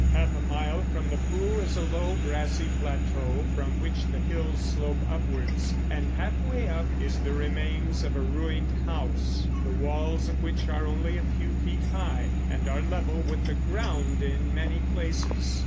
Half a mile from the pool is a low, grassy plateau from which the hills slope upwards, and half way up is the remains of a ruined house—the walls of which are only a few feet high, and are level with the ground in many places.